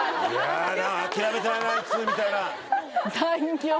「諦めてないなあいつ」みたいな残業